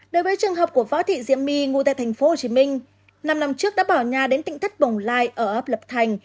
đối với trường hợp của vá thị diễm bi ngu tại thành phố hồ chí minh năm năm trước đã bỏ nhà đến tịnh thất bổng lai ở ấp lập thành